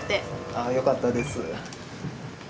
あよかったです。